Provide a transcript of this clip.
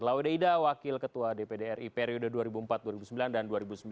laude ida wakil ketua dpd ri periode dua ribu empat dua ribu sembilan dan dua ribu sembilan dua ribu